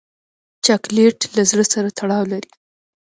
چاکلېټ له زړه سره تړاو لري.